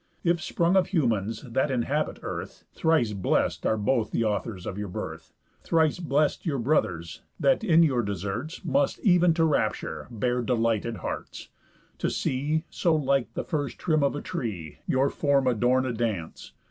If sprung of humans, that inhabit earth, Thrice blest are both the authors of your birth, Thrice blest your brothers, that in your deserts Must, ev'n to rapture, bear delighted hearts, To see, so like the first trim of a tree, Your form adorn a dance.